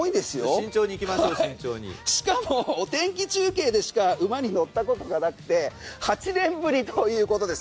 しかもお天気中継でしか馬に乗ったことがなくて８年ぶりということです。